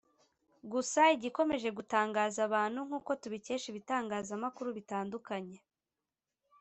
Gusa igikomeje gutangaza abantu nk’uko tubikesha ibitangazamakuru bitandukanye